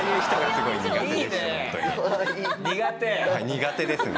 苦手ですね。